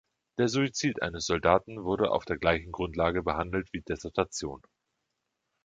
Der Suizid eines Soldaten wurde auf der gleichen Grundlage behandelt wie Desertation.